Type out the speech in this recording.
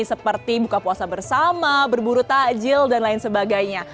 seperti buka puasa bersama berburu takjil dan lain sebagainya